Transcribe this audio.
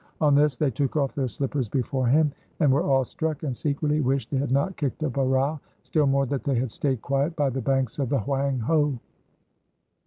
On this they took off their slippers before him, and were awestruck, and secretly wished they had not kicked up a row, still more that they had stayed quiet by the banks of the Hoang ho.